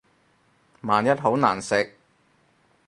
萬一好難食